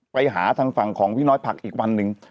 ไปหาทางฝั่งของพี่น้อยผักอีกวันหนึ่ง